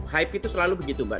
hype itu selalu begitu mbak